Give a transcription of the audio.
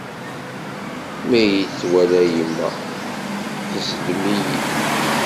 Mi iyi-d-twala yemma, tezlem-iyi-d.